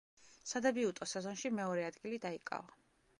სადებიუტო სეზონში მეორე ადგილი დაიკავა.